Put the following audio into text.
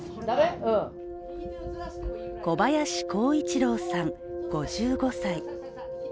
小林幸一郎さん５５歳。